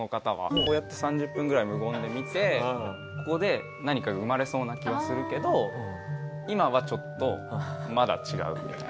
こうやって３０分ぐらい無言で見てここで何かが生まれそうな気はするけど今はちょっとまだ違うみたいな。